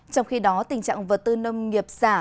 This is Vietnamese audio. trong khi đó tình trạng vật tư nông nghiệp giả